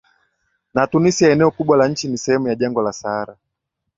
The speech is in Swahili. na TunisiaEneo kubwa la nchi ni sehemu ya jangwa la Sahara